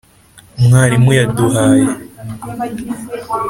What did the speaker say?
umwarimu yaduhaye.